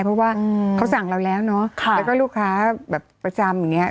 เพราะว่าเขาสั่งเราแล้วเนอะแล้วก็ลูกค้าแบบประจำอย่างเงี้